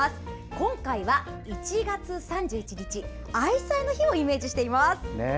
今回は、１月３１日愛妻の日をイメージしています。